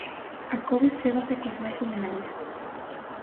A Covid cébase cos máis vulnerables.